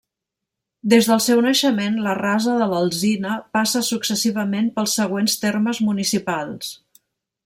Des del seu naixement, la Rasa de l'Alzina passa successivament pels següents termes municipals.